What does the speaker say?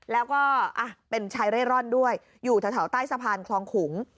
แล้วก็เป็นชายเร่ร่อนด้วยอยู่แถวใต้สะพานคลองขุง